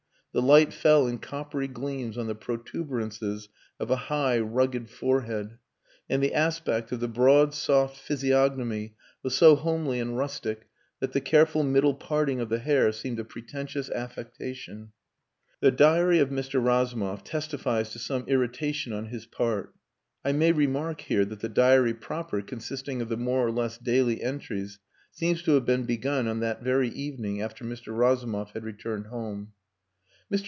The light fell in coppery gleams on the protuberances of a high, rugged forehead. And the aspect of the broad, soft physiognomy was so homely and rustic that the careful middle parting of the hair seemed a pretentious affectation. The diary of Mr. Razumov testifies to some irritation on his part. I may remark here that the diary proper consisting of the more or less daily entries seems to have been begun on that very evening after Mr. Razumov had returned home. Mr.